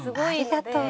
ありがとう。